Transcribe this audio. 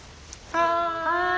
はい。